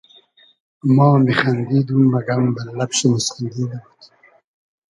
ما میخیندیدوم مئگئم بئل لئب شی موسخیندی نئبود